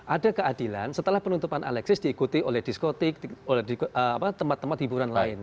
ada keadilan setelah penutupan alexis diikuti oleh diskotik oleh tempat tempat hiburan lain